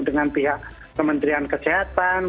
dengan pihak kementerian kesehatan